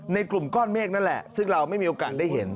กลุ่มก้อนเมฆนั่นแหละซึ่งเราไม่มีโอกาสได้เห็น